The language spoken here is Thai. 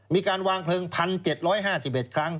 มีการวางเพลิง๑๗๕๑ครั้ง